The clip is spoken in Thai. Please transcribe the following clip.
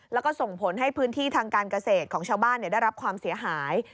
แล้วก็ส่งผลให้พื้นที่ทางการเกษตรของชาวบ้านได้รับความเสียหาย